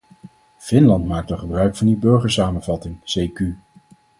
Finland maakt al gebruik van die burgersamenvattingen c.q. .